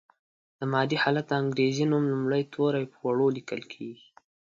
د مادې حالت د انګریزي نوم لومړي توري په وړو لیکل کیږي.